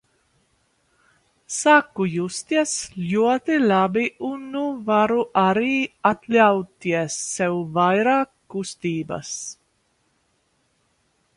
Sāku justies ļoti labi un nu varu arī atļauties sev vairāk kustības.